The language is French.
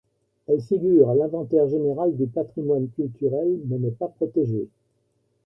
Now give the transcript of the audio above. Elle figure à l'inventaire général du patrimoine culturel mais n'est pas protégée.